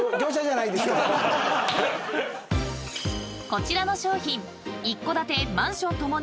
［こちらの商品］